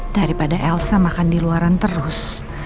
daripada elsa makan di luaran terus